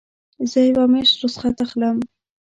زه یوه میاشت رخصت اخلم.